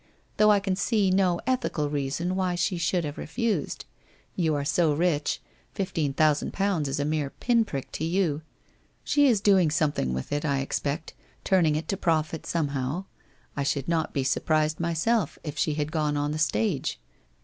Though I can see no ethical reason why she should have refused. You are so rich — fifteen thousand pounds is a mere pin prick to you. She is doing something with it, I expect, turning it to profit somehow. I should not be surprised myself if she had gone on the stage.